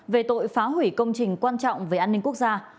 về tội phá hủy công trình quan trọng về an ninh quốc gia